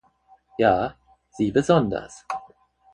Ja, Sie besonders!